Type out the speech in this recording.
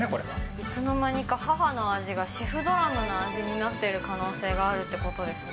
いつの間にか母の味がシェフドラムの味になっている可能性があるということですね。